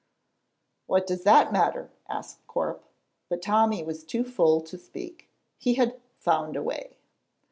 "What does that matter?" asked Corp, but Tommy was too full to speak. He had "found a way."